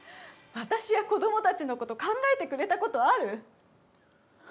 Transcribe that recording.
私や子どもたちのこと考えてくれたことある？